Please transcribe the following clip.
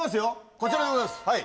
こちらでございます！